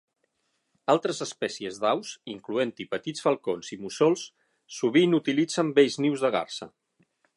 Altres espècies d'aus, incloent-hi petits falcons i mussols, sovint utilitzen vells nius de garsa.